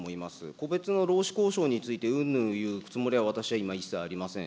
個別の労使交渉についてうんぬんいうつもりは、私は今、一切ありません。